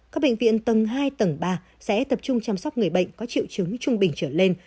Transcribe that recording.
các bệnh viện tầng hai tầng ba sẽ tập trung chăm sóc người bệnh có triệu chứng trung bình trở lên